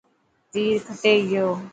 تير کٽي گيو.